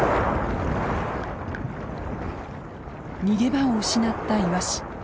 逃げ場を失ったイワシ。